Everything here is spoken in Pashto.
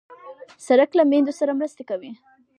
سړک له میندو سره مرسته کوي.